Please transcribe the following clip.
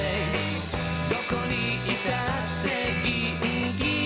「どこにいたってギンギン目立つよ」